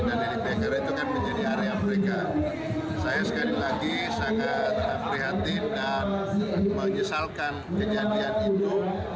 dan menyesalkan kejadian itu